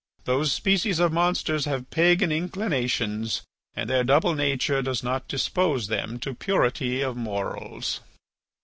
Those species of monsters have pagan inclinations and their double nature does not dispose them to purity of morals."